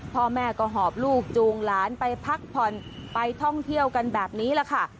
พ่อแม่ก็หอบลูกจูงหลานไปพักผ่อนไปท่องเที่ยวกันแบบนี้แหละค่ะ